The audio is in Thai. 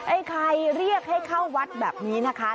ไอ้ใครเรียกให้เข้าวัดแบบนี้นะคะ